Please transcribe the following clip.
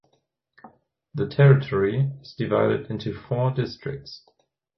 The territory is divided into four districts.